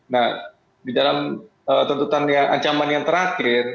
nah di dalam tuntutan yang ancaman yang terakhir